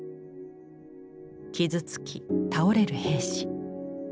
傷つき倒れる兵士。